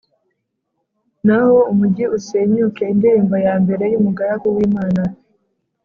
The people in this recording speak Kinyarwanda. naho umugi usenyuke. Indirimbo ya mbere y’Umugaragu w’Imana